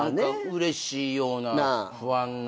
うれしいような不安なような。